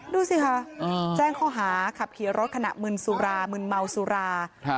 ดูสิคะแจ้งข้อหาขับขี่รถขณะมึนสุรามึนเมาสุรา